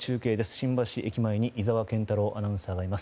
新橋駅前に井澤健太朗アナウンサーがいます。